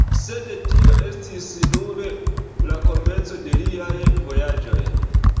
Sed tio estis nur la komenco de liaj vojaĝoj.